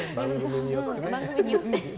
番組によって。